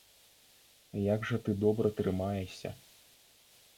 Як жа ты добра трымаешся!